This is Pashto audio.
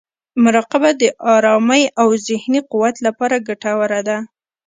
مراقبه د ارامۍ او ذهني قوت لپاره ګټوره ده.